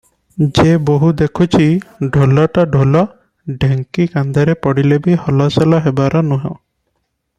ଯେ ବୋହୂ ଦେଖୁଛି, ଢୋଲ ତ ଢୋଲ, ଢେଙ୍କି କାନ୍ଧରେ ପଡ଼ିଲେ ବି ହଲଚଲ ହେବାର ନୁହଁ ।"